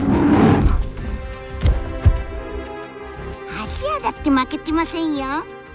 アジアだって負けてませんよ。